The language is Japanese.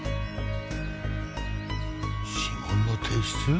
指紋の提出？